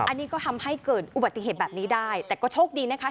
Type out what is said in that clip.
อันนี้ก็ทำให้เกิดอุบัติเหตุแบบนี้ได้แต่ก็โชคดีนะคะ